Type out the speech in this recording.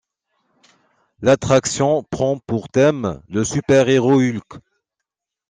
L'attraction prend pour thème le super-héros Hulk.